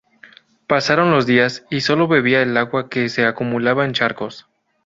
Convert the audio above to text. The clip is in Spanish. Pasaron los días, y solo bebía el agua que se acumulaba en charcos.